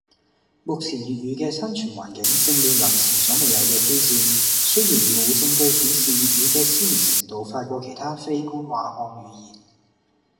目前粵語嘅生存環境正面臨前所未有嘅挑戰，雖然冇證據顯示粵語嘅消滅程度快過其他非官話漢語言